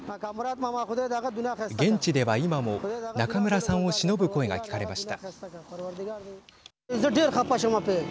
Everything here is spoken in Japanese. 現地では今も中村さんをしのぶ声が聞かれました。